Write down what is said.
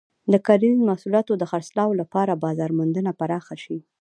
د کرنیزو محصولاتو د خرڅلاو لپاره بازار موندنه پراخه شي.